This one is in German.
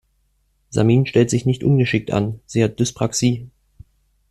Samin stellt sich nicht ungeschickt an, sie hat Dyspraxie.